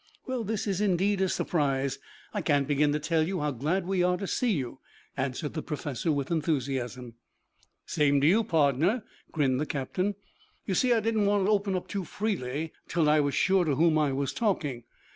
"Well, this is indeed a surprise. I can't begin to tell you how glad we are to see you," answered the professor with enthusiasm. "Same to you, pardner," grinned the captain. "You see I didn't want to open up too freely until I was sure to whom I was talking.